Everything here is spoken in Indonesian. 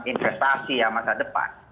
investasi ya masa depan